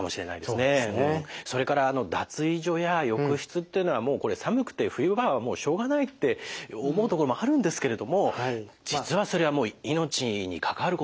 それから脱衣所や浴室っていうのはもうこれ寒くて冬場はもうしょうがないって思うところもあるんですけれども実はそれはもう命に関わることだってことを知る必要ありますね。